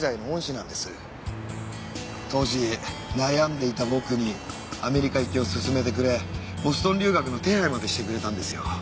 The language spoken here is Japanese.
当時悩んでいた僕にアメリカ行きをすすめてくれボストン留学の手配までしてくれたんですよ。